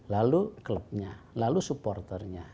lalu klubnya lalu supporternya